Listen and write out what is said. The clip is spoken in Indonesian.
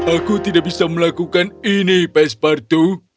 aku tidak bisa melakukan ini pespartu